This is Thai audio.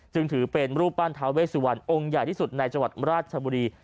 จึงถือเป็นรูปปั้นทาเวสุวรรณองค์ใหญ่ที่สุดในจังหวัดราชบุรี